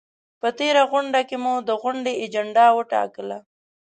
په تېره غونډه کې مو د غونډې اجنډا وټاکله؟